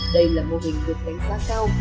đây là mô hình được đánh giá cao